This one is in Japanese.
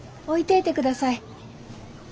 置いてえてください。